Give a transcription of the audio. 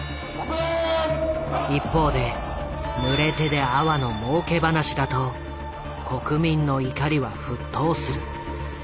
一方で「濡れ手で粟」のもうけ話だと国民の怒りは沸騰する。